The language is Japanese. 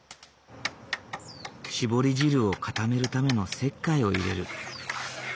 搾り汁を固めるための石灰を入れる。